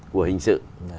của hình sự